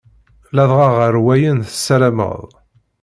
Ladɣa ɣer wayen tessarameḍ.